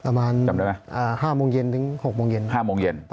ประมาณ๕โมงเย็นถึง๖โมงเย็น